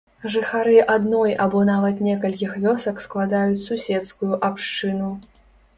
Жыхары адной або нават некалькіх вёсак складаюць суседскую абшчыну.